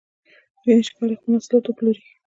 دوی نشي کولای خپل محصولات وپلوري